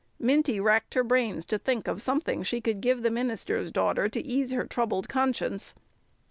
Minty racked her brains to think of something she could give the minister's daughter to ease her troubled conscience.